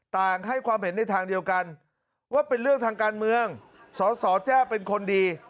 ต่างให้ความเห็นในทางเดียวกันว่าเป็นเรื่องทางการเมืองสสแจ้เป็นคนดี